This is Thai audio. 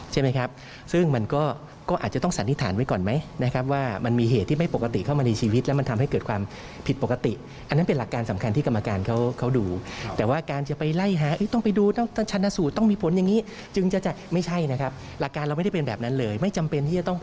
ดังนั้นไม่ต้องกระวนครับเราอยู่ตรงกลาง